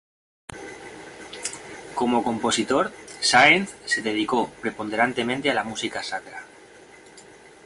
Como compositor, Sáenz se dedicó preponderantemente a la música sacra.